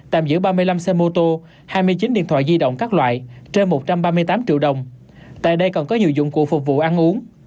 tạm giữ ba mươi năm xe mô tô hai mươi chín điện thoại di động các loại trên một trăm ba mươi tám triệu đồng tại đây còn có nhiều dụng cụ phục vụ ăn uống